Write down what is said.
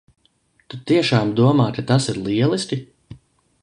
Tu tiešām domā, ka tas ir lieliski?